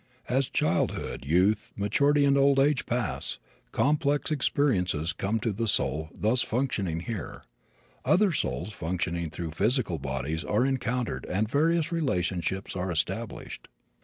As childhood, youth, maturity and old age pass, complex experiences come to the soul thus functioning here. Other souls functioning through physical bodies are encountered and various relationships are established.